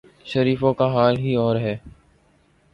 شریفوں کا حال ہی اور ہے۔